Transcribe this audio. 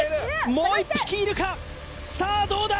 もう１匹いるかさあどうだ？